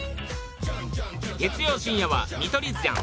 月曜深夜は『見取り図じゃん』